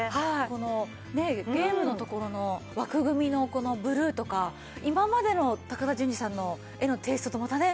このゲームのところの枠組みのこのブルーとか今までの高田純次さんの絵のテイストとまたね。